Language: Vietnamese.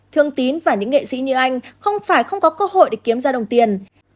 thương tín và những nghệ sĩ như anh không phải không có cơ hội để kiếm ra đồng tiền